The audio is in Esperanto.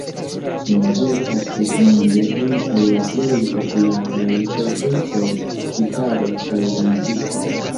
Nun ĝi estas tutmonde unu el la plej popularaj pecoj por gitaro kaj dancisto.